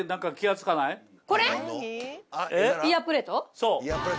そう。